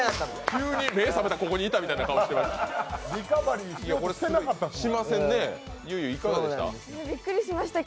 急に目覚めて、ここにいたみたいな顔してました。